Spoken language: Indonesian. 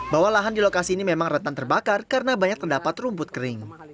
bahwa lahan di lokasi ini memang rentan terbakar karena banyak terdapat rumput kering